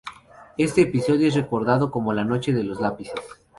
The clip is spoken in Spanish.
Este episodio es recordado como "La Noche de los lápices".